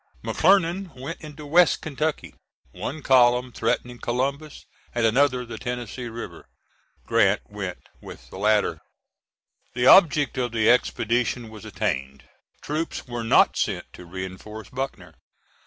McClernand went into west Kentucky, one column threatening Columbus, and another the Tennessee River. Grant went with the latter. The object of the expedition was attained; troops were not sent to reinforce Buckner.